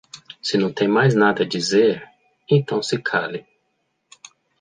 Se não tem mais nada a dizer, então se cale